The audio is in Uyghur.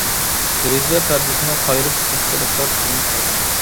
دېرىزە پەردىسىنى قايرىپ سىرتقا دىققەت بىلەن قارىدىم.